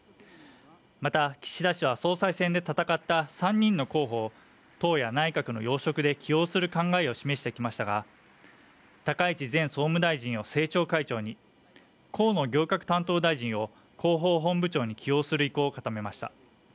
また岸田氏は総裁選で戦った３人の候補を党や内閣の要職で起用する考えを示してきましたが、高市前総務大臣を政調会長に、河野行革担当大臣を広報本部長に起用する意向を固めました。